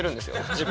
自分。